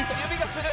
指がつる！